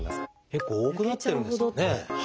結構多くなってるんですかね。